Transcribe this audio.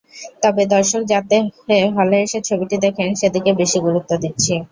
তবে দর্শক যাতে হলে এসে ছবিটি দেখেন, সেদিকে বেশি গুরুত্ব দিচ্ছি।